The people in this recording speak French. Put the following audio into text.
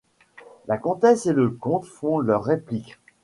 La comtesse et le comte font leurs répliques.